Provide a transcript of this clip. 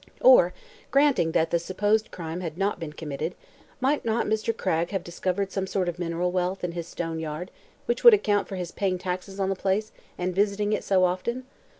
Or, granting that the supposed crime had not been committed, might not Mr. Cragg have discovered some sort of mineral wealth in his stone yard, which would account for his paying taxes on the place and visiting it so often?